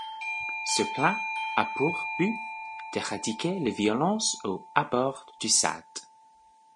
Ce plan a pour but d'éradiquer les violences aux abords du stade.